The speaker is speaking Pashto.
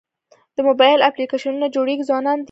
د موبایل اپلیکیشنونو جوړونکي ځوانان دي.